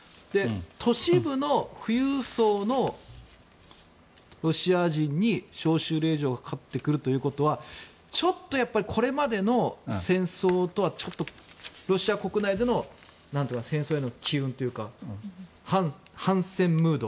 都市部の富裕層のロシア人に招集令状がかかってくるということはちょっとやっぱりこれまでの戦争とはちょっとロシア国内での戦争への機運というか反戦ムード